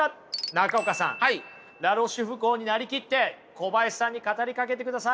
中岡さんラ・ロシュフコーに成りきって小林さんに語りかけてください